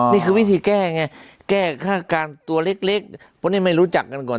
นี่คือวิธีแก้ไงแก้ฆ่าการตัวเล็กเพราะนี่ไม่รู้จักกันก่อน